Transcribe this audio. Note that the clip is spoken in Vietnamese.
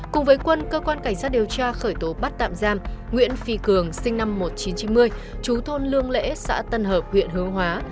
cùng với quân cơ quan cảnh sát điều tra khởi tố bắt tạm giam nguyễn phi cường sinh năm một nghìn chín trăm chín mươi chú thôn lương lễ xã tân hợp huyện hướng hóa